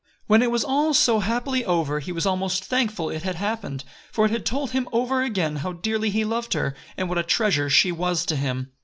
When it was all so happily over he was almost thankful it had happened, for it had told him over again how dearly he loved her and what a treasure she was to him!